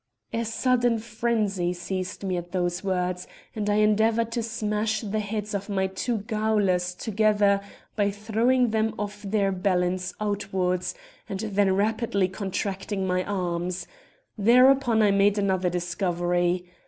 '" "A sudden frenzy seized me at those words, and I endeavoured to smash the heads of my two gaolers together by throwing them off their balance outwards, and then rapidly contracting my arms. Thereupon I made another discovery.